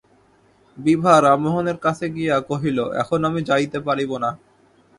বিভা রামমোহনের কাছে গিয়া কহিল, এখন আমি যাইতে পারিব না।